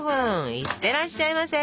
いってらっしゃいませ！